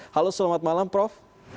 halo selamat malam prof